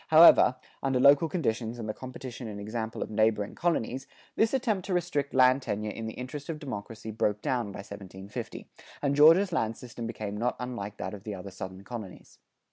However, under local conditions and the competition and example of neighboring colonies, this attempt to restrict land tenure in the interest of democracy broke down by 1750, and Georgia's land system became not unlike that of the other Southern colonies.